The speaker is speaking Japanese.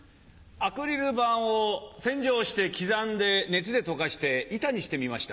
アクリル板を洗浄して刻んで熱で溶かして板にしてみました。